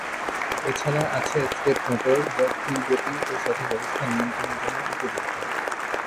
এছাড়া আছে step motor যা ধীর গতি ও সঠিক অবস্থান নিয়ন্ত্রণের জন্য উপযুক্ত।